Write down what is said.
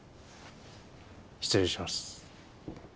失礼します。